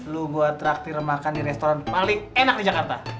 lu buat traktir makan di restoran paling enak di jakarta